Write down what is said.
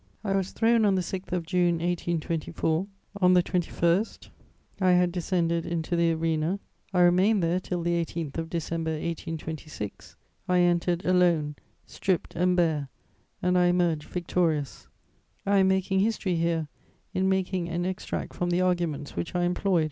I was thrown on the 6th of June 1824; on the 21st, I had descended into the arena; I remained there till the 18th of December 1826: I entered alone, stripped and bare, and I emerged victorious. I am making history here in making an extract from the arguments which I employed.